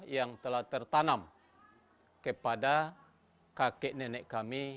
yang telah tertanam kepada kakek nenek kami